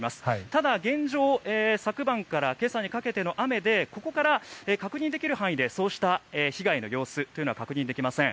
ただ、現状昨晩から今朝にかけての雨でここから確認できる範囲でそうした被害の様子は確認できません。